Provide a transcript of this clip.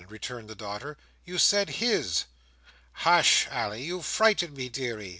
returned the daughter. "You said his." "Hush, Ally; you frighten me, deary.